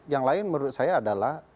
yang lain menurut saya adalah